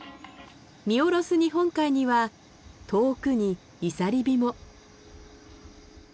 見下ろす日本海には遠くに漁火も。